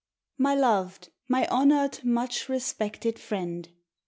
My loved, my honored, much respected friend.